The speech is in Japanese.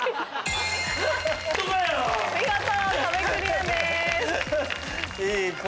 見事壁クリアです。